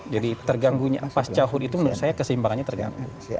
jadi terganggu pas cawapres itu menurut saya keseimbangannya terganggu